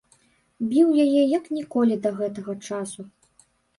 Біў яе як ніколі да гэтага часу.